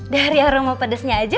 dari aroma pedesnya aja